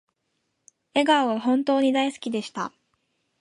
笑顔が本当に大好きでした